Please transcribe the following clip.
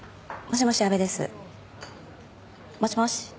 もしもーし？